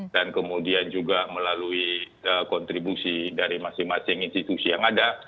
dan kemudian juga melalui kontribusi dari masing masing institusi yang ada